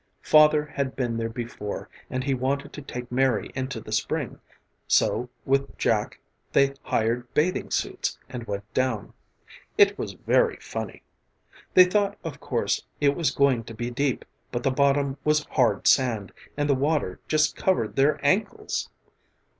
Father had been there before and he wanted to take Mary into the spring, so with Jack they hired bathing suits and went down. It was very funny. They thought, of course, it was going to be deep, but the bottom was hard sand, and the water just covered their ankles.